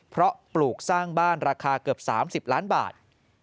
เพราะปลูกสร้างบ้านราคาเกือบ๓๐ล้านบาท